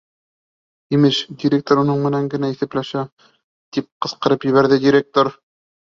Имеш, директор уның менән генә иҫәпләшә. — тип ҡысҡырып ебәрҙе директор.